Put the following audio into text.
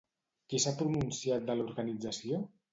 Qui s'ha pronunciat de l'organització?